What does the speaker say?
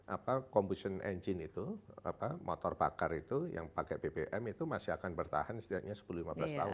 apa combustion engine itu motor bakar itu yang pakai bbm itu masih akan bertahan setidaknya sepuluh lima belas tahun